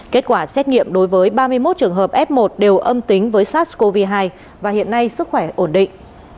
kết quả xét nghiệm đối với ba mươi một trường hợp f một đều âm tính với sars cov hai và hiện nay sức khỏe ổn định